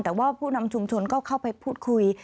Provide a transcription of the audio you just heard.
แต่ว่าผู้นำชุมชนก็เข้าไปพูดคุย